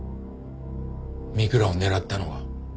三倉を狙ったのは？